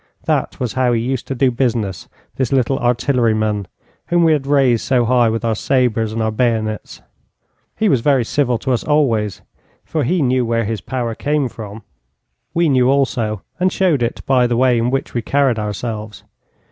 That was how he used to do business, this little artilleryman, whom we had raised so high with our sabres and our bayonets. He was very civil to us always, for he knew where his power came from. We knew also, and showed it by the way in which we carried ourselves.